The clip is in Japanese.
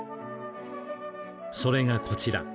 それが、こちら。